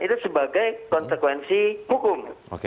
itu sebagai konsekuensi hukum